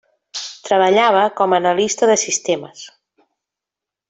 Treballava com a analista de sistemes.